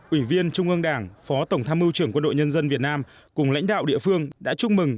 ủy viên trung ương đảng phó tổng tham mưu trưởng quân đội nhân dân việt nam cùng lãnh đạo địa phương đã chúc mừng